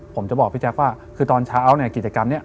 ผมจะบอกพี่แจ๊กว่าคือตอนเช้าขิตกรรมนี่